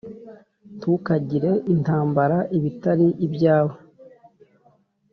ntukagire intambara ibitari ibyawe